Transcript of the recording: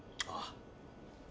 ああ。